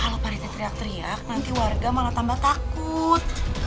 kalau pada saya teriak teriak nanti warga malah tambah takut